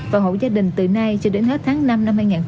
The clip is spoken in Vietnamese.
và hỗ gia đình từ nay cho đến hết tháng năm năm hai nghìn hai mươi một